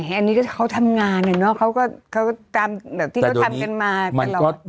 อันนี้ก็เขาทำงานเนี่ยเนอะที่เขาทำกันมาตลอด